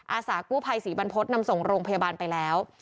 อาสากู้ภัยศรีบรรพฤษนำส่งโรงพยาบาลไปแล้ว